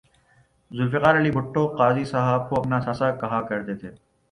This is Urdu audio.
ذوالفقار علی بھٹو قاضی صاحب کو اپنا اثاثہ کہا کر تے تھے